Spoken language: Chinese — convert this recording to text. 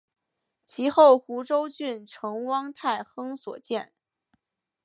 其后湖州郡丞汪泰亨所建。